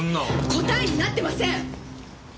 答えになってません！